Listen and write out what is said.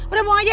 udah buang aja